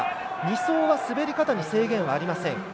２走は滑り方に制限はありません。